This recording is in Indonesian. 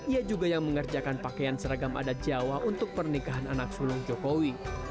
ia juga yang mengerjakan pakaian seragam adat jawa untuk pernikahan anak sulung jokowi